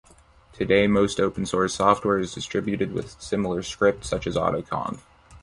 Today, most open source software is distributed with a similar script, such as autoconf.